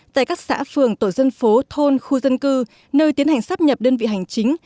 tại các xã phường tổ dân phố thôn khu dân cư nơi tiến hành sắp nhập đơn vị hành chính